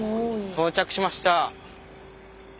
到着しました。